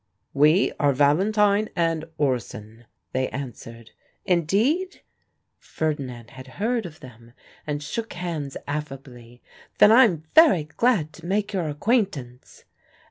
"We are Valentine and Orson," they answered. "Indeed?" Ferdinand had heard of them, and shook hands affably. "Then I'm very glad to make your acquaintance."